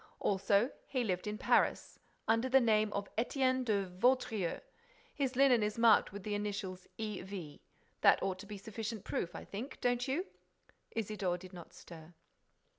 Also, he lived in Paris under the name of Étienne de Vaudreix. His linen is marked with the initials E. V. That ought to be sufficient proof, I think: don't you?" Isidore did not stir.